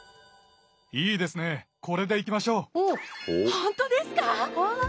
本当ですか！